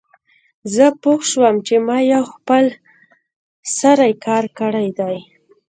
زه پوه شوم چې ما یو خپل سری کار کړی دی